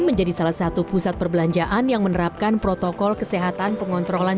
menjadi salah satu pusat perbelanjaan yang menerapkan protokol kesehatan pengontrolan